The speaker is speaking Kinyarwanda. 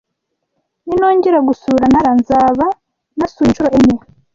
Ninongera gusura Nara, nzaba nasuye inshuro enye